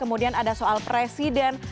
kemudian ada soal presiden